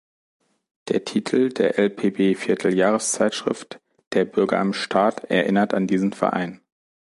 Der Titel der LpB-Vierteljahreszeitschrift „Der Bürger im Staat“ erinnert an diesen Verein.